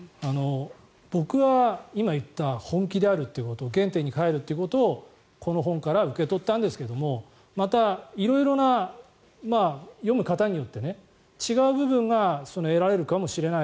僕は今言った本気であるということ原点に返るということをこの本から受け取ったんですがまた、色々な読む方によって違う部分が得られるかもしれない。